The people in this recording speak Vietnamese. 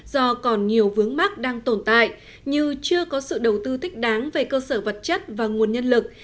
do còn nhiều vướng mắt đang tồn tại như chưa có sự đầu tư thích đáng về cơ sở vật chất và nguồn nhân lực